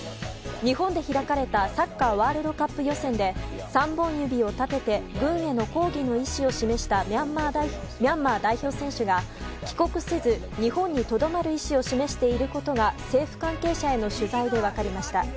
日本で開かれたサッカーワールドカップ予選で３本指を立てて軍への抗議の意思を示したミャンマー代表選手が帰国せず、日本にとどまる意思を示していることが政府関係者への取材で分かりました。